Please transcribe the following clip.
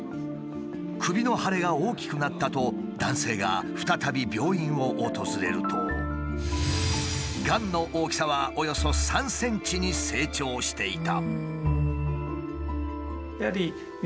首の腫れが大きくなったと男性が再び病院を訪れるとがんの大きさはおよそ３ｃｍに成長していた。